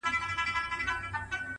• ما په تور کي د مرغۍ ډلي لیدلې,